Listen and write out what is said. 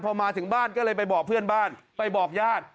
พอมาถึงบ้านก็เลยไปบอกเพื่อนบ้านไปบอกญาติ